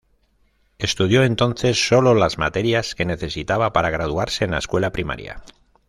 Estudió entonces sólo las materias que necesitaba para graduarse en la escuela primaria.